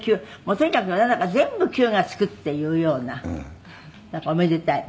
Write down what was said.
「とにかくなんだか全部９が付くっていうようなおめでたい」